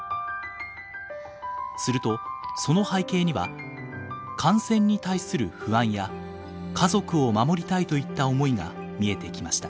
するとその背景には感染に対する不安や家族を守りたいといった思いが見えてきました。